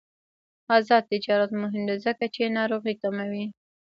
آزاد تجارت مهم دی ځکه چې ناروغۍ کموي.